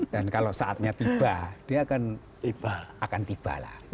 dan kalau saatnya tiba dia akan tiba lah